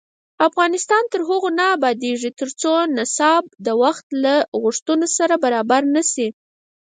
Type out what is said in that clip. افغانستان تر هغو نه ابادیږي، ترڅو نصاب د وخت له غوښتنو سره برابر نشي.